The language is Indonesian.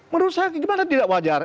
menurut saya gimana tidak wajar